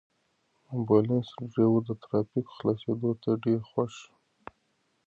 د امبولانس ډرېور د ترافیکو خلاصېدو ته ډېر خوښ شو.